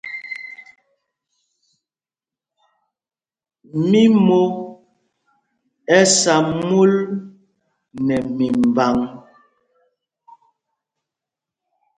Mimo ɛ sá mul nɛ mimbǎŋ.